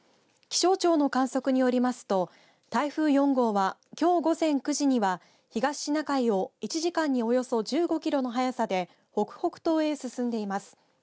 気象庁の観測によりますと台風４号は、きょう午前９時には東シナ海を１時間におよそ１５キロの速さで北北東へ進んでいます。